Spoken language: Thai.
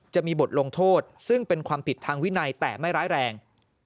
จะมีบทลงโทษซึ่งเป็นความผิดทางวินัยแต่ไม่ร้ายแรง